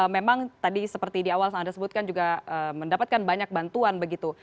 memang tadi seperti di awal anda sebutkan juga mendapatkan banyak bantuan begitu